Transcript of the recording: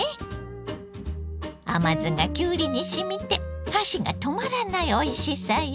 甘酢がきゅうりにしみて箸が止まらないおいしさよ。